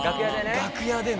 楽屋での。